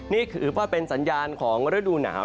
นี่ถือว่าเป็นสัญญาณของฤดูหนาว